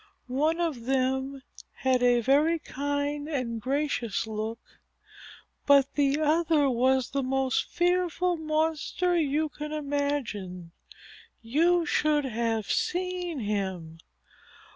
One of them had a very kind and gracious look, but the other was the most fearful monster you can imagine. You should have seen him.